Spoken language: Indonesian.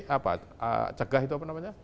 apa cegah itu apa namanya